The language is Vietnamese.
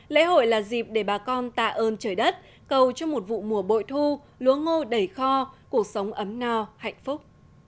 lễ hội là dịp để bà con tạ ơn trời đất cầu cho một vụ mùa bội thu lúa ngô đầy kho cuộc sống ấm no hạnh phúc